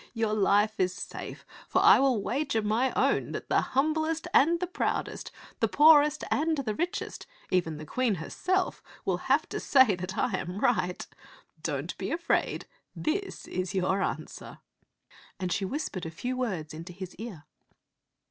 Your life is safe ; for I will wager my own that the humblest and the proudest, the poorest and the richest, even the Queen herself, will have to say that I am right. Don't be afraid; this is your answer," and she whispered a few words into his ear.